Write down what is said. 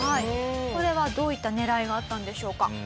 これはどういった狙いがあったんでしょうか？